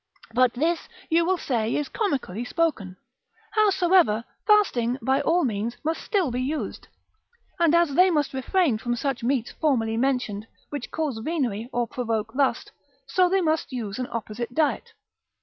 But this, you will say, is comically spoken. Howsoever, fasting, by all means, must be still used; and as they must refrain from such meats formerly mentioned, which cause venery, or provoke lust, so they must use an opposite diet.